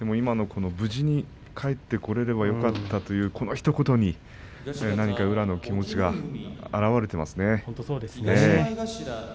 今の無事に帰ってこられてよかったというひと言に宇良の気持ちが表れていますね。